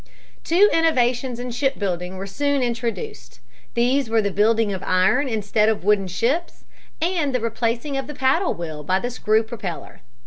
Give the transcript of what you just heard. Two innovations in shipbuilding were soon introduced. These were the building of iron instead of wooden ships and the replacing of the paddle wheel by the screw propeller.